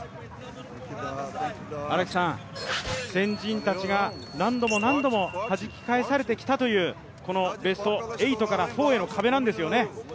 先人たちが何度も何度もはじき返されてきたというこのベスト８から４への壁なんですよね。